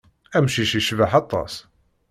Amcic yecbaḥ aṭas.